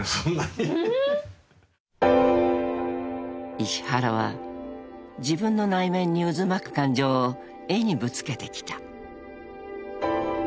［石原は自分の内面に渦巻く感情を絵にぶつけてきた］